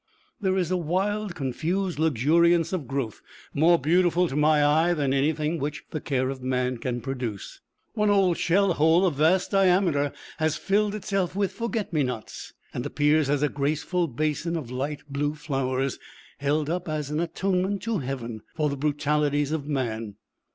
There is a wild, confused luxuriance of growth more beautiful to my eye than anything which the care of man can produce. One old shell hole of vast diameter has filled itself with forget me nots, and appears as a graceful basin of light blue flowers, held up as an atonement to heaven for the brutalities of man.